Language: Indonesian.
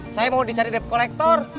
saya mau dicari dep kolektor